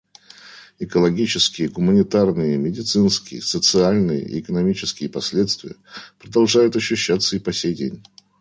Экологические, гуманитарные, медицинские, социальные и экономические последствия продолжают ощущаться и по сей день.